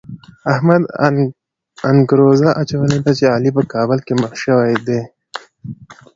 احمد انګروزه اچولې ده چې علي په کابل کې مړ شوی دی.